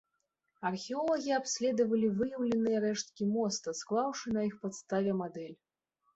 Археолагі абследавалі выяўленыя рэшткі моста, склаўшы на іх падставе мадэль.